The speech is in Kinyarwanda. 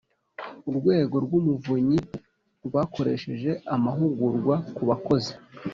Urwego rw Umuvunyi rwakoresheje amahugurwa ku bakozi